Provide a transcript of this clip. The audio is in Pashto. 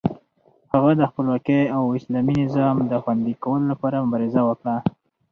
هغه د خپلواکۍ او اسلامي نظام د خوندي کولو لپاره مبارزه وکړه.